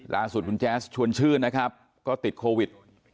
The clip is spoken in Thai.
ล่าสุดเจ๊ยัสชวนชื่นติดโควิด